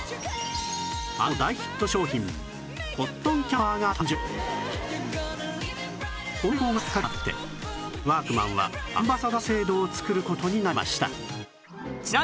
あのこの成功がきっかけとなってワークマンはアンバサダー制度を作る事になりました